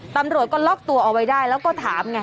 ตำรวจก็ล็อกตัวเอาไว้ได้แล้วก็ถามไง